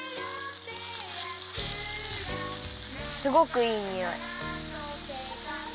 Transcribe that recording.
すごくいいにおい。